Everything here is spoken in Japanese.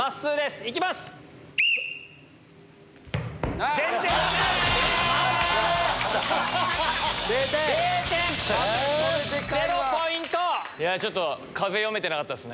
いやちょっと、風読めてなかったですね。